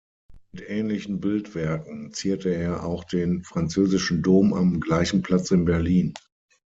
Mit ähnlichen Bildwerken zierte er auch den Französischen Dom am gleichen Platz in Berlin.